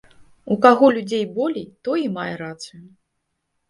У каго людзей болей, той і мае рацыю.